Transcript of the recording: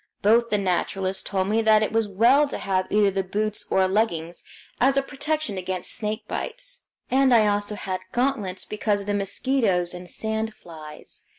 Both the naturalists told me that it was well to have either the boots or leggings as a protection against snake bites, and I also had gauntlets because of the mosquitoes and sand flies.